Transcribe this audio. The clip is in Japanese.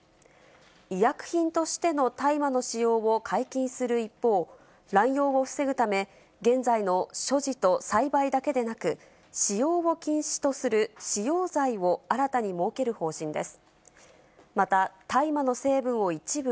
医薬品としての大麻の使用を解禁する一方、乱用を防ぐため、現在の所持と栽培だけでなく、使用を禁止する使用罪を新たに設ける方針です。